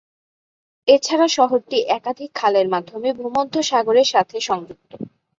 এছাড়া শহরটি একাধিক খালের মাধ্যমে ভূমধ্যসাগরের সাথে সংযুক্ত।